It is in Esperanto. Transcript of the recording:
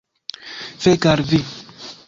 Fek al vi!